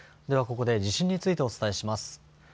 では、ここで地震についてお伝えします。